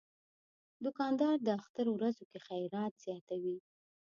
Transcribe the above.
دوکاندار د اختر ورځو کې خیرات زیاتوي.